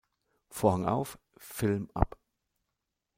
Vorhang auf, Film ab!